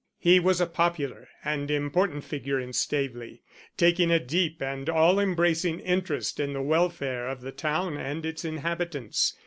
He was a popular and important figure in Staveley, taking a deep and all embracing interest in the welfare of the town and its inhabitants.